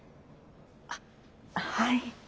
あっはい。